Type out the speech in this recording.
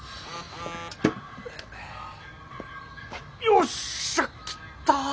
よっしゃ来た！